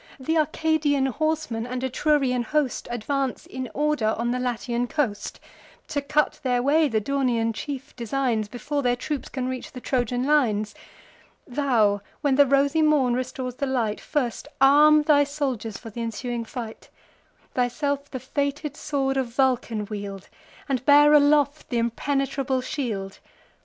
Th' Arcadian horsemen, and Etrurian host, Advance in order on the Latian coast: To cut their way the Daunian chief designs, Before their troops can reach the Trojan lines. Thou, when the rosy morn restores the light, First arm thy soldiers for th' ensuing fight: Thyself the fated sword of Vulcan wield, And bear aloft th' impenetrable shield.